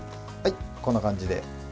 こんな感じで。